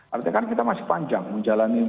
artinya kan kita masih panjang menjalani